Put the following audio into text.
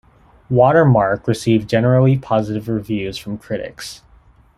"Watermark" received generally positive reviews from critics.